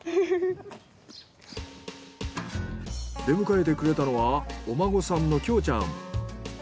出迎えてくれたのはお孫さんの杏ちゃん。